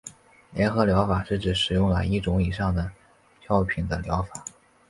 联合疗法是指使用了一种以上的药品的疗法。